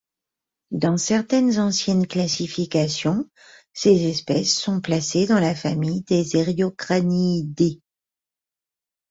Dans certaines anciennes classifications, ces espèces sont placées dans la famille des Eriocraniidae.